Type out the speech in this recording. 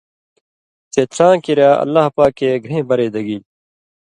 چےۡ څاں کِریا اللہ پاکے گَھیں برئ دگیلیۡ۔